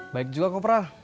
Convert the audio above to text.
baik juga kopra